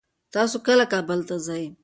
تاسو کله کابل ته ځئ؟